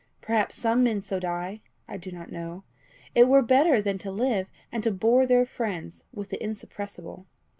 Perhaps some men so die I do not know; it were better than to live, and to bore their friends with the insuppressible.